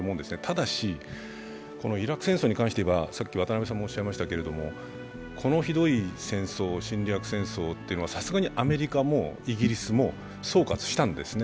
ただし、イラク戦争に関していえばこのひどい戦争、侵略戦争というのはさすがにアメリカもイギリスも総括したんですね。